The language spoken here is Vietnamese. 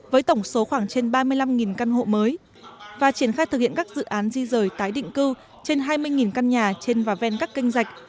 với tổng số khoảng trên ba mươi năm căn hộ mới và triển khai thực hiện các dự án di rời tái định cư trên hai mươi căn nhà trên và ven các kênh dạch